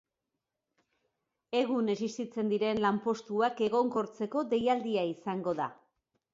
Egun existitzen diren lanpostuak egonkortzeko deialdia izango da.